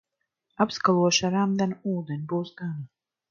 Apskalošu ar remdenu ūdeni, būs gana.